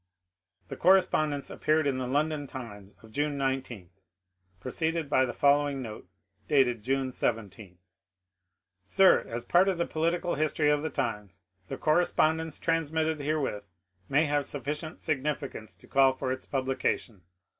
The correspondence appeared in the London '^ Times " of June 19, preceded by the following note dated June 17 :— Sir, — As part of the political history of the times the corre spondence transmitted herewith may have sufficient significance to call for its publication.